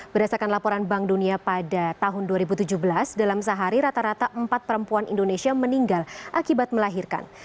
berdasarkan laporan bank dunia pada tahun dua ribu tujuh belas dalam sehari rata rata empat perempuan indonesia meninggal akibat melahirkan